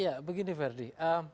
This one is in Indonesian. ya begini verdi